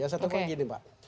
saya tekan gini mbak